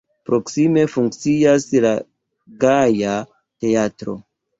Proksime funkcias la Gaja Teatro.